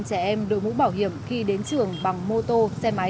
chỉ có khoảng sáu mươi trẻ em đổi mũ bảo hiểm khi đến trường bằng mô tô xe máy